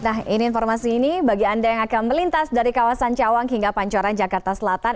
nah ini informasi ini bagi anda yang akan melintas dari kawasan cawang hingga pancoran jakarta selatan